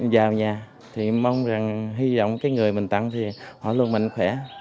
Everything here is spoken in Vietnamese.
vào nhà thì mong rằng hy vọng cái người mình tặng thì họ luôn mạnh khỏe